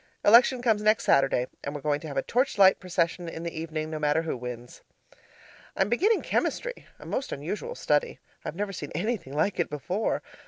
Election comes next Saturday, and we're going to have a torchlight procession in the evening, no matter who wins. I am beginning chemistry, a most unusual study. I've never seen anything like it before.